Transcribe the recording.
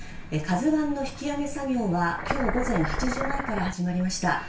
「ＫＡＺＵ１」の引き揚げ作業は今日午前８時前から始まりました。